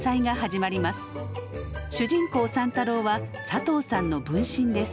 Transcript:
主人公三太郎はサトウさんの分身です。